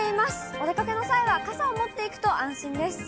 お出かけの際は傘を持っていくと安心です。